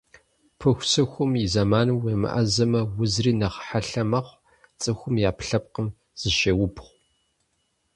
Пыхусыхум и зэманым уемыӀэзэмэ, узри нэхъ хьэлъэ мэхъу, цӀыхум и Ӏэпкълъэпкъым зыщеубгъу.